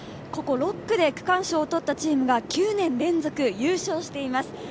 ここ６区で区間賞を取ったチームが９年連続優勝しています。